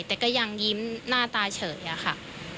แต่ก็ยังยิ้มหน้าตาเฉยอะค่ะ